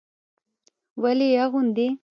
ولې يې اغوندي.